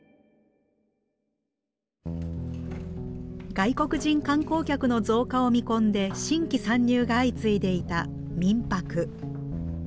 外国人観光客の増加を見込んで新規参入が相次いでいた民泊。